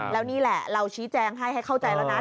แล้วนี่แหละเราชี้แจงให้ให้เข้าใจแล้วนะ